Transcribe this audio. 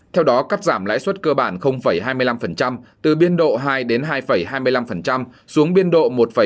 theo đó cắt giảm lãi suất cơ bản hai mươi năm từ biên độ hai hai hai mươi năm xuống biên độ một bảy mươi năm hai